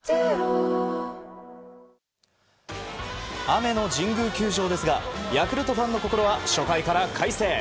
雨の神宮球場ですがヤクルトファンの心は初回から快晴。